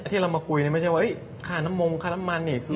ที่เรามาคุยไม่ใช่ว่าค่าน้ำมงค่าน้ำมันอีก